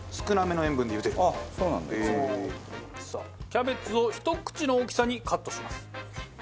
キャベツをひと口の大きさにカットします。